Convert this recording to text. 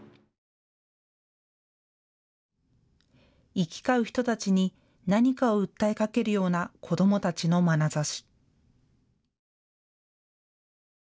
行き交う人たちに何かを訴えかけるような子どもたちのまなざし。